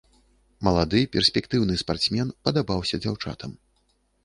Малады перспектыўны спартсмен падабаўся дзяўчатам.